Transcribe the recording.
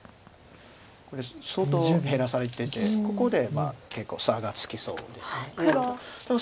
これ相当減らされててここで結構差がつきそうです。